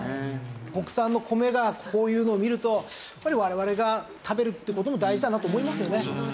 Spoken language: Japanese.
国産の米がこういうのを見るとやっぱり我々が食べるって事も大事だなと思いますよね。